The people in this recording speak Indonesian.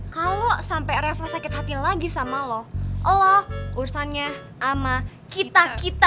kalau sampe reva sakit hati lagi sama lu lu urusannya sama kita kita